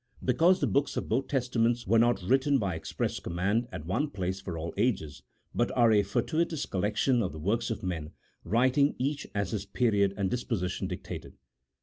Because the books of both Testaments were not written by express command at one place for all ages, but are a for tuitous collection of the works of men, writing each as his period and disposition dictated.